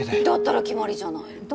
だったら決まりじゃない。